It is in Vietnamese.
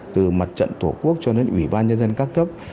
từ mặt trận tổ quốc cho đến ủy ban nhân dân các cấp